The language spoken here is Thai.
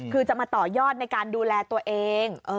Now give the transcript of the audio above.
คือจะมาต่อยอดในการดูแลตัวเอง